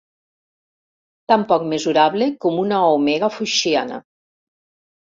Tan poc mesurable com una omega foixiana.